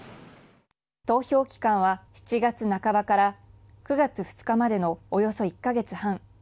投票期間は７月半ばから９月２日までのおよそ１か月半。